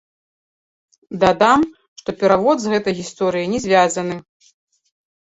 Дадам, што перавод з гэтай гісторыяй не звязаны.